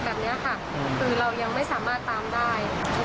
แบบนี้ค่ะคือเรายังไม่สามารถตามได้